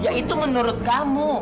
ya itu menurut kamu